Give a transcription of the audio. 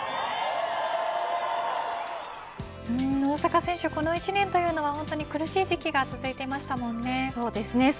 大坂選手、この１年は苦しい時期が続いていましたもんね。